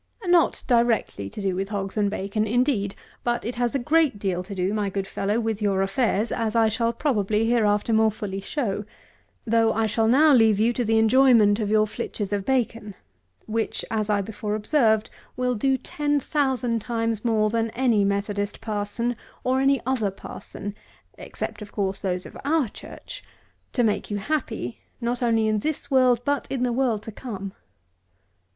Not directly with hogs and bacon, indeed; but it has a great deal to do, my good fellow with your affairs, as I shall, probably, hereafter more fully show, though I shall now leave you to the enjoyment of your flitches of bacon, which, as I before observed, will do ten thousand times more than any Methodist parson, or any other parson (except, of course, those of our church) to make you happy, not only in this world, but in the world to come.